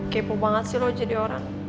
kepo banget sih lo jadi orang